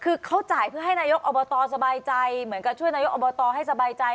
คือเขาจ่ายเพื่อให้นายกอบตสบายใจเหมือนกับช่วยนายกอบตให้สบายใจ